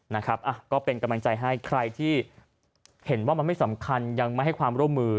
นะครับก็เป็นกำลังใจให้ใครที่เห็นว่ามันไม่สำคัญยังไม่ให้ความร่วมมือ